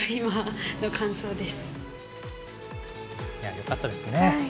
よかったですね。